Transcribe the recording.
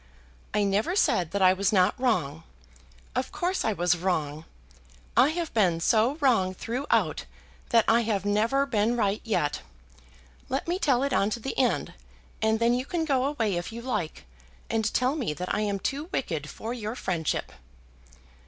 "I never said that I was not wrong. Of course I was wrong. I have been so wrong throughout that I have never been right yet. Let me tell it on to the end, and then you can go away if you like, and tell me that I am too wicked for your friendship."